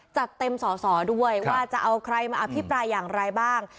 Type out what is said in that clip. จัดเต็มสอสอด้วยว่าจะเอาใครมาอภิปรายอย่างไรบ้าง